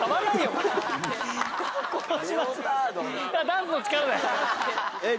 「ダンスの力」だよ。